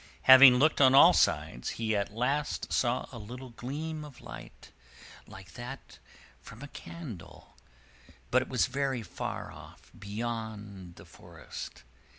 Having looked on all sides, he at last saw a little gleam of light, like that from a candle, but it was very far off, beyond the forest.